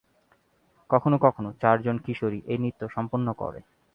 কখনও কখনও চারজন কিশোরী এই নৃত্য সম্পন্ন করে।